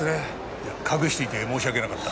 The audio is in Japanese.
いや隠していて申し訳なかった。